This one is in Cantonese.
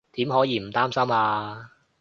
點可以唔擔心啊